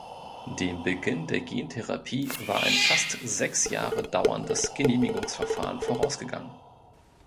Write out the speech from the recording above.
Dem Beginn der Gentherapie war ein fast sechs Jahre dauerndes Genehmigungsverfahren vorausgegangen.